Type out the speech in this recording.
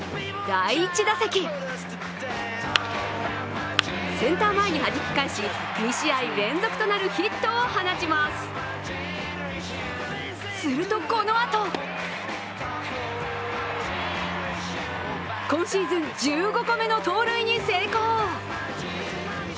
第１打席センター前にはじき返し２試合連続となるヒットを放ちますすると、このあと今シーズン１５個目の盗塁に成功。